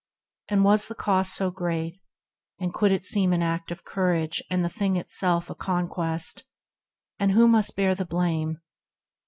And was the cost so great ? and could it seem An act of courage, and the thing itself A conquest ? who must bear the blame